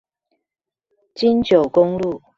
金九公路